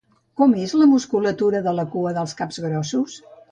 Com és la musculatura de la cua dels capgrossos?